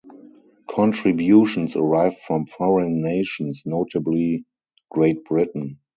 Contributions arrived from foreign nations, notably Great Britain.